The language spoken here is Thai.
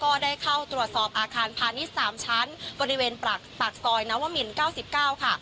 ก็ได้เข้าตรวจสอบอาคารพาณิชย์๓ชั้นบริเวณปากซอยนวมิน๙๙ค่ะ